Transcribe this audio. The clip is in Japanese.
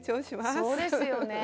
そうですよねえ。